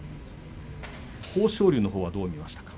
豊昇龍のほうはどう見ましたか。